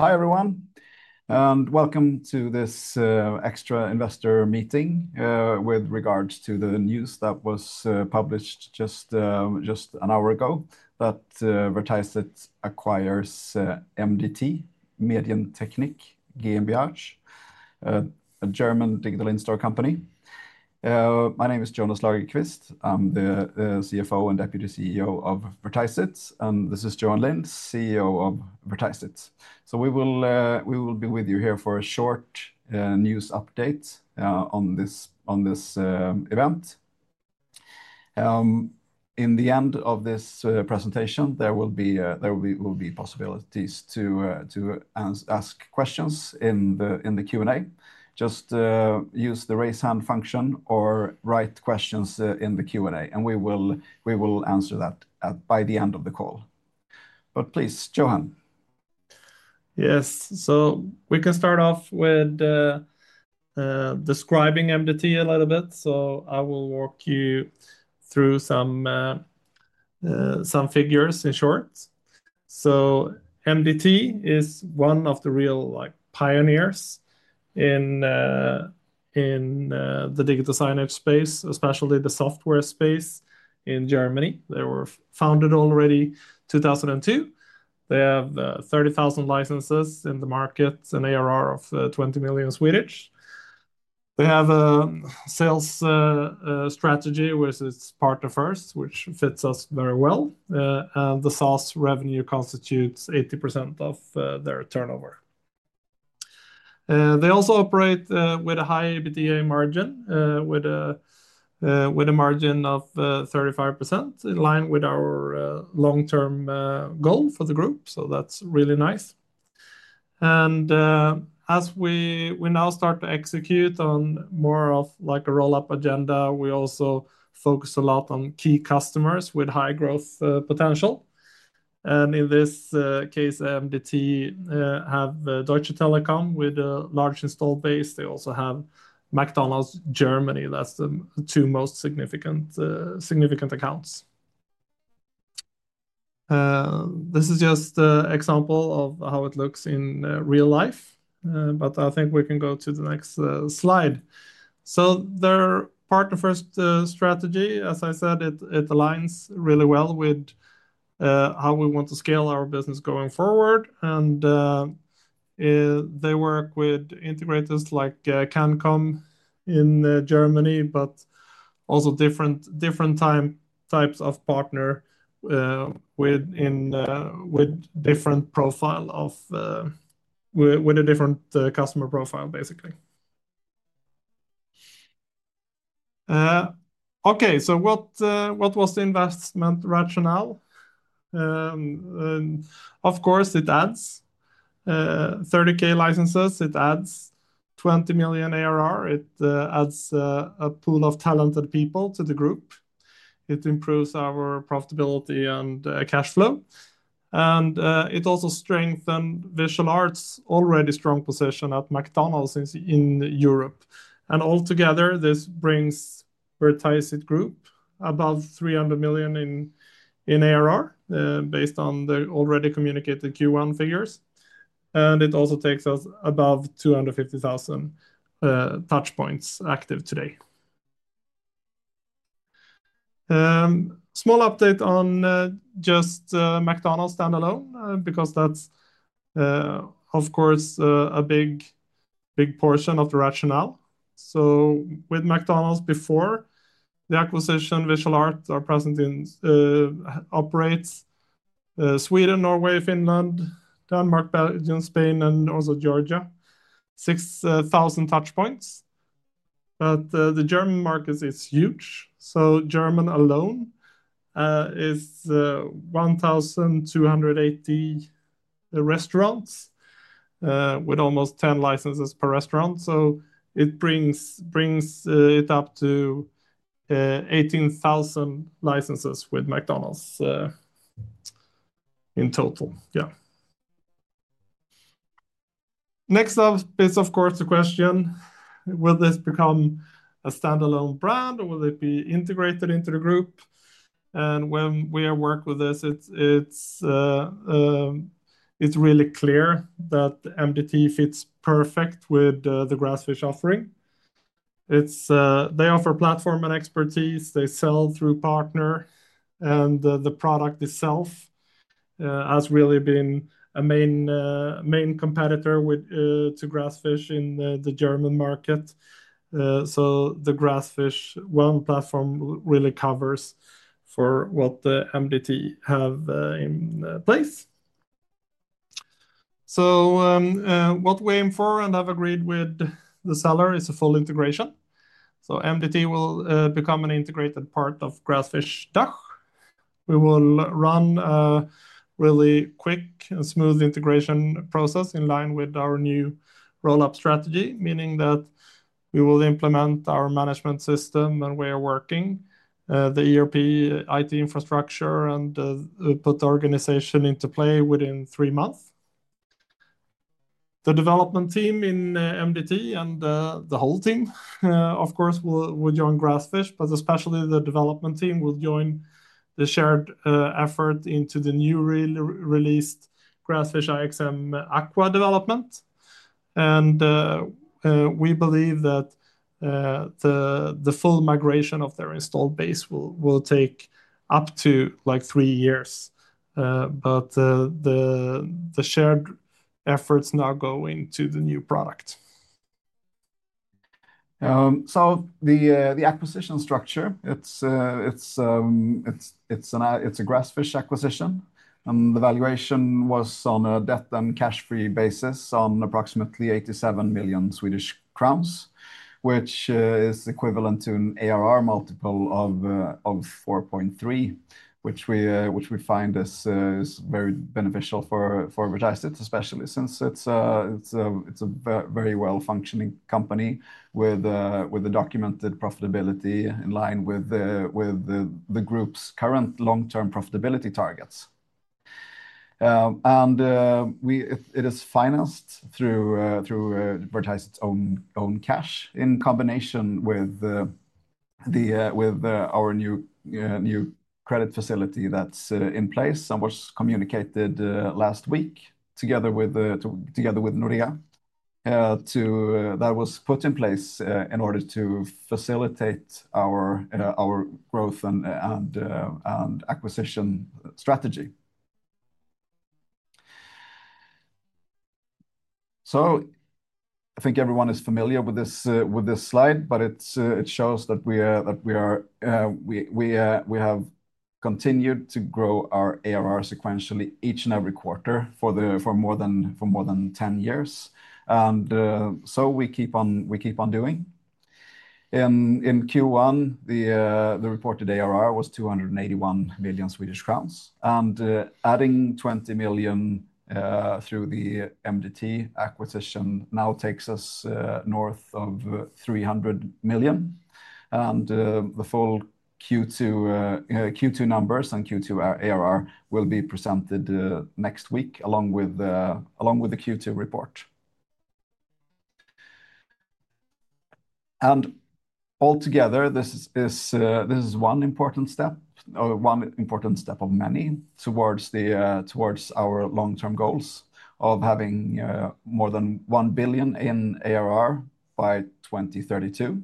Hi everyone, and welcome to this extra investor meeting with regards to the news that was published just an hour ago that Vertiseit acquires mdt Medientechnik GmbH, a German digital signage company. My name is Jonas Lagerqvist. I'm the CFO and Deputy CEO of Vertiseit, and this is Johan Lind, CEO of Vertiseit. We will be with you here for a short news update on this event. At the end of this presentation, there will be possibilities to ask questions in the Q&A. Just use the raise hand function or write questions in the Q&A, and we will answer that by the end of the call. Please, Johan. Yes, so we can start off with describing mdt a little bit. I will walk you through some figures in short. mdt is one of the real pioneers in the digital signage space, especially the software space in Germany. They were founded already in 2002. They have 30,000 licenses in the market and ARR of 20 million. They have a sales strategy where it's partner-first, which fits us very well. The SaaS revenue constitutes 80% of their turnover. They also operate with a high EBITDA margin with a margin of 35% in line with our long-term goal for the group. That's really nice. As we now start to execute on more of like a roll-up agenda, we also focus a lot on key customers with high growth potential. In this case, mdt has Deutsche Telekom with a large install base. They also have McDonald's Germany. That's the two most significant accounts. This is just an example of how it looks in real life. I think we can go to the next slide. Their partner-first strategy, as I said, aligns really well with how we want to scale our business going forward. They work with integrators like CANCOM in Germany, but also different types of partners with a different customer profile, basically. Okay, so what was the investment rationale? Of course, it adds 30,000 licenses. It adds 20 million ARR. It adds a pool of talented people to the group. It improves our profitability and cash flow. It also strengthens Visual Art's already strong position at McDonald's in Europe. Altogether, this brings Vertiseit Group above 300 million in ARR based on the already communicated Q1 figures. It also takes us above 250,000 touchpoints active today. Small update on just McDonald's standalone because that's, of course, a big, big portion of the rationale. With McDonald's before the acquisition, Visual Art are present in and operates Sweden, Norway, Finland, Denmark, Belgium, Spain, and also Georgia, 6,000 touchpoints. The German market is huge. German alone is 1,280 restaurants with almost 10 licenses per restaurant. It brings it up to 18,000 licenses with McDonald's in total. Next up is, of course, the question, will this become a standalone brand or will it be integrated into the group? When we work with this, it's really clear that mdt fits perfectly with the Grassfish offering. They offer platform and expertise. They sell through partner, and the product itself has really been a main competitor to Grassfish in the German market. The Grassfish one platform really covers for what mdt has in place. What we aim for and have agreed with the seller is a full integration. mdt will become an integrated part of Grassfish [DACH]. We will run a really quick and smooth integration process in line with our new roll-up strategy, meaning that we will implement our management system and way of working, the ERP, IT infrastructure, and the organization into play within three months. The development team in mdt and the whole team, of course, will join Grassfish, but especially the development team will join the shared effort into the newly released Grassfish IXM Aqua development. We believe that the full migration of their install base will take up to three years. The shared efforts now go into the new product. The acquisition structure is a Grassfish acquisition. The valuation was on a debt and cash-free basis at approximately 87 million Swedish crowns, which is equivalent to an ARR multiple of 4.3, which we find is very beneficial for Vertiseit, especially since it's a very well-functioning company with a documented profitability in line with the group's current long-term profitability targets. It is financed through Vertiseit's own cash in combination with our new credit facility that's in place and was communicated last week together with Nordea. That was put in place in order to facilitate our growth and acquisition strategy. I think everyone is familiar with this slide, but it shows that we have continued to grow our ARR sequentially each and every quarter for more than 10 years, and we keep on doing so. In Q1, the reported ARR was 281 million Swedish crowns, and adding 20 million through the mdt acquisition now takes us north of 300 million. The full Q2 numbers and Q2 ARR will be presented next week along with the Q2 report. Altogether, this is one important step of many towards our long-term goals of having more than 1 billion in ARR by 2032.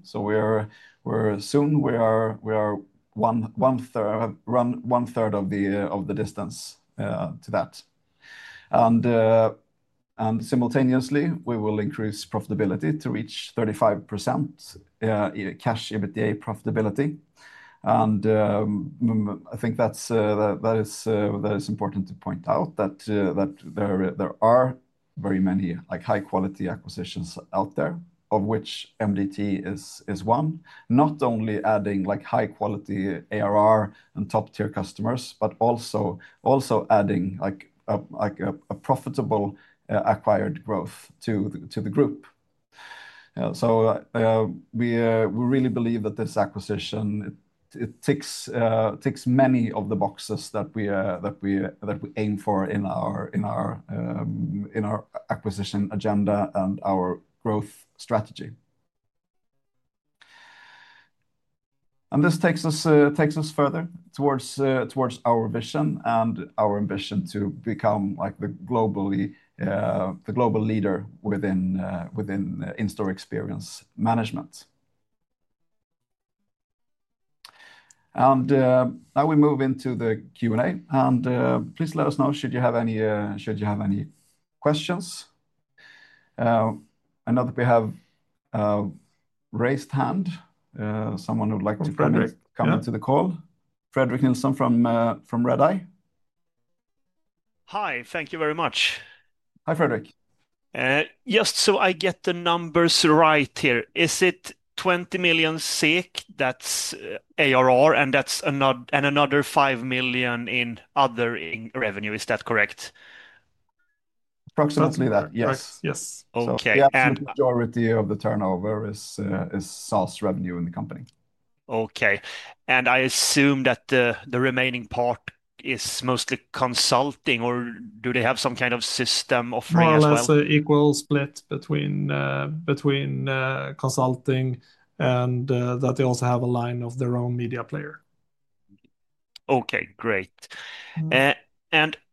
We're soon one-third of the distance to that. Simultaneously, we will increase profitability to reach 35% Cash EBITDA profitability. I think that is important to point out that there are very many high-quality acquisitions out there, of which mdt is one, not only adding high-quality ARR and top-tier customers, but also adding a profitable acquired growth to the group. We really believe that this acquisition ticks many of the boxes that we aim for in our acquisition agenda and our growth strategy. This takes us further towards our vision and our ambition to become the global leader within in-store experience management. Now we move into the Q&A. Please let us know should you have any questions. I know that we have a raised hand. Someone would like to comment to the call. Fredrik Nilsson from Redeye. Hi, thank you very much. Hi, Fredrik. Just so I get the numbers right here, is it 20 million, that's ARR, and another 5 million in other revenue? Is that correct? Approximately that, yes. Yes. Okay. And. The majority of the turnover is SaaS revenue in the company. Okay. I assume that the remaining part is mostly consulting, or do they have some kind of system offering as well? It's an equal split between consulting, and they also have a line of their own media player. Okay, great.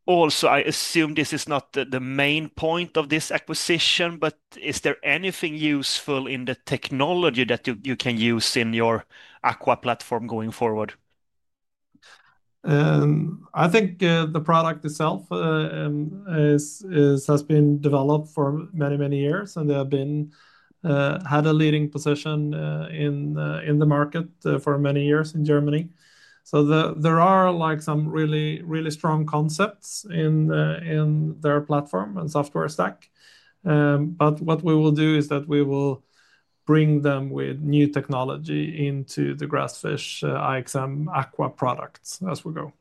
I assume this is not the main point of this acquisition, but is there anything useful in the technology that you can use in your Aqua platform going forward? I think the product itself has been developed for many, many years, and they have had a leading position in the market for many years in Germany. There are some really, really strong concepts in their platform and software stack. What we will do is that we will bring them with new technology into the Grassfish IXM Aqua products as we go.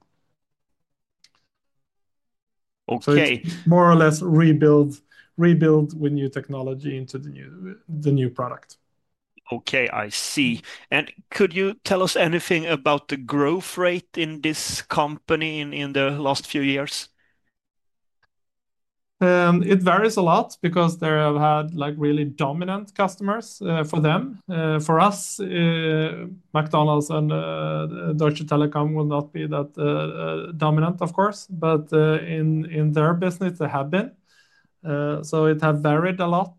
Okay. is more or less rebuilt with new technology into the new product. Okay, I see. Could you tell us anything about the growth rate in this company in the last few years? It varies a lot because they have had really dominant customers for them. For us, McDonald's Germany and Deutsche Telekom will not be that dominant, of course, but in their business, they have been. It has varied a lot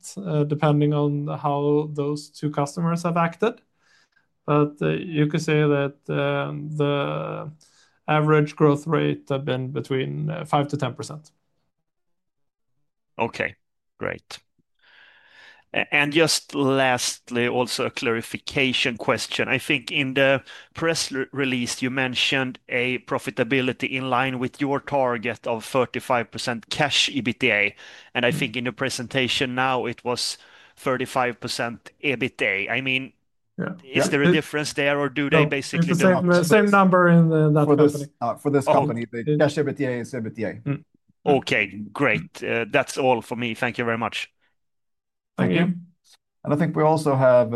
depending on how those two customers have acted. You could say that the average growth rate has been between 5%-10%. Okay, great. Lastly, also a clarification question. I think in the press release, you mentioned a profitability in line with your target of 35% Cash EBITDA. I think in the presentation now, it was 35% EBITDA. Is there a difference there or do they basically? Same number in that company. For this company, the Cash EBITDA is EBITDA. Okay, great. That's all for me. Thank you very much. Thank you. I think we also have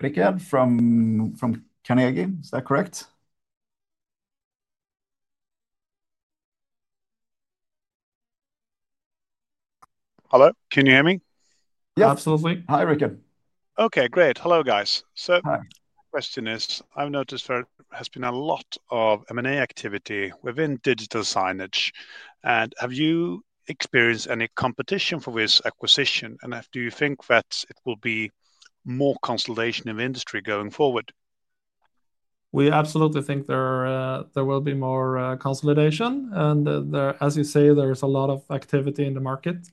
Rickard from [Carnegie]. Is that correct? Hello? Can you hear me? Yeah, absolutely. Hi, Rickard. Okay, great. Hello, guys. The question is, I've noticed there has been a lot of M&A activity within digital signage. Have you experienced any competition for this acquisition? Do you think that it will be more consolidation of industry going forward? We absolutely think there will be more consolidation. As you say, there is a lot of activity in the market.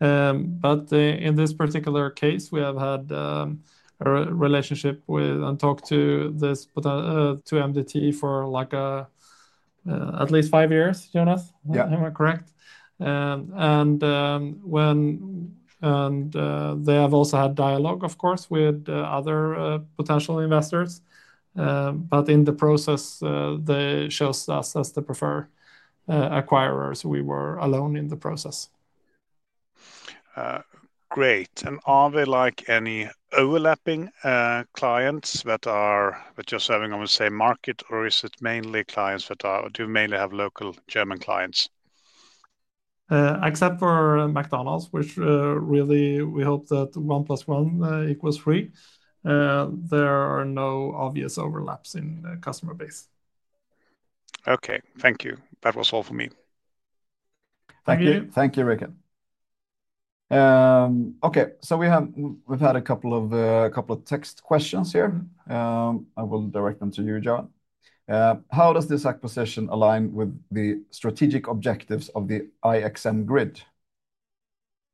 In this particular case, we have had a relationship and talked to mdt for at least five years, Jonas. Am I correct? They have also had dialogue, of course, with other potential investors. In the process, they chose us as the preferred acquirers. We were alone in the process. Great. Are there any overlapping clients that are just having on the same market, or is it mainly clients that do mainly have local German clients? Except for McDonald’s, which really we hope that one plus one equals three, there are no obvious overlaps in the customer base. Okay, thank you. That was all for me. Thank you. Thank you, Rickard. Okay, we've had a couple of text questions here. I will direct them to you, Johan. How does this acquisition align with the strategic objectives of the IXM grid?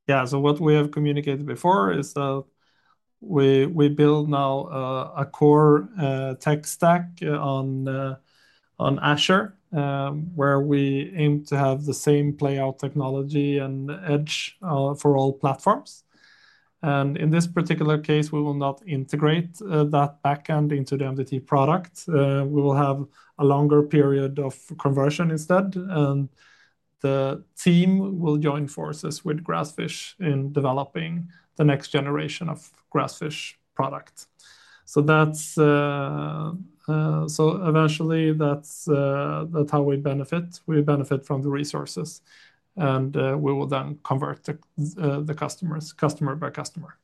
Yeah, what we have communicated before is that we build now a core tech stack on Azure, where we aim to have the same playout technology and edge for all platforms. In this particular case, we will not integrate that backend into the mdt product. We will have a longer period of conversion instead. The team will join forces with Grassfish in developing the next generation of Grassfish product. Eventually, that's how we benefit. We benefit from the resources, and we will then convert the customers customer by customer.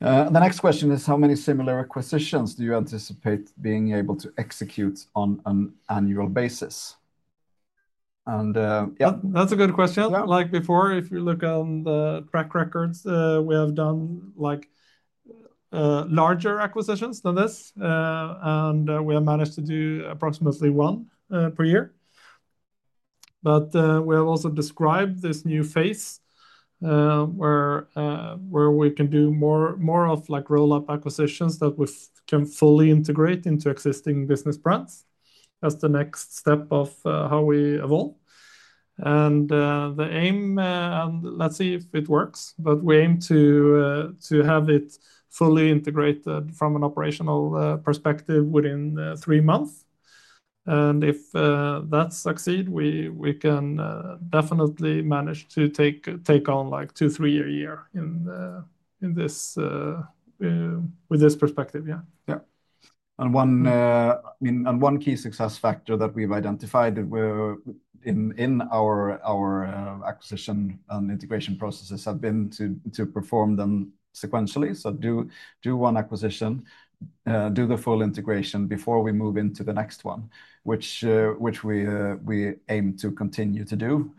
The next question is, how many similar acquisitions do you anticipate being able to execute on an annual basis? That's a good question. Like before, if you look on the track records, we have done larger acquisitions than this, and we have managed to do approximately one per year. We have also described this new phase where we can do more of roll-up acquisitions that we can fully integrate into existing business brands as the next step of how we evolve. The aim, and let's see if it works, but we aim to have it fully integrated from an operational perspective within three months. If that succeeds, we can definitely manage to take on two, three a year with this perspective. Yeah. One key success factor that we've identified in our acquisition and integration processes has been to perform them sequentially. We do one acquisition, do the full integration before we move into the next one, which we aim to continue to do.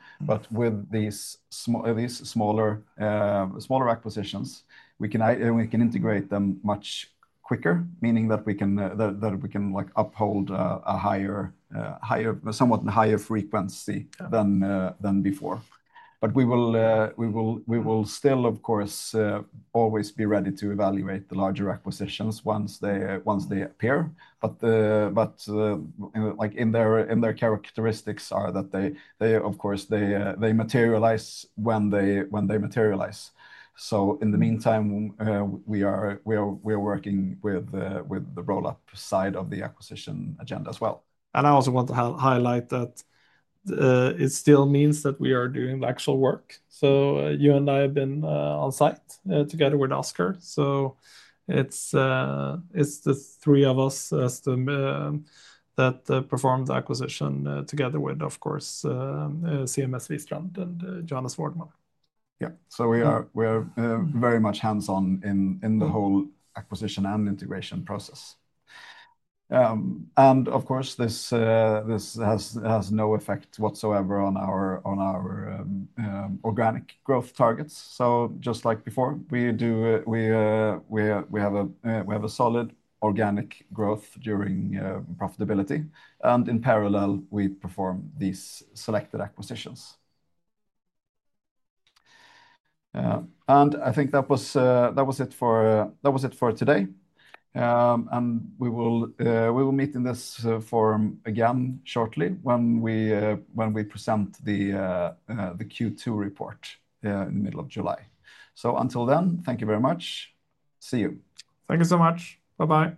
With these smaller acquisitions, we can integrate them much quicker, meaning that we can uphold a somewhat higher frequency than before. We will still, of course, always be ready to evaluate the larger acquisitions once they appear. Their characteristics are that they, of course, materialize when they materialize. In the meantime, we are working with the roll-up side of the acquisition agenda as well. I also want to highlight that it still means that we are doing the actual work. You and I have been on site together with [Oskar]. It's the three of us that performed the acquisition together with, of course, CMS Wistrand and Johannes Wårdman. Yeah, we are very much hands-on in the whole acquisition and integration process. Of course, this has no effect whatsoever on our organic growth targets. Just like before, we have a solid organic growth during profitability. In parallel, we perform these selected acquisitions. I think that was it for today. We will meet in this forum again shortly when we present the Q2 report in the middle of July. Until then, thank you very much. See you. Thank you so much. Bye-bye.